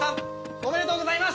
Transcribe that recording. おめでとうございます！